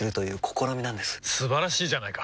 素晴らしいじゃないか！